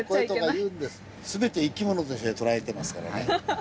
全て生き物として捉えてますからね。